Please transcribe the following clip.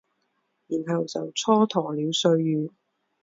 然后就蹉跎了岁月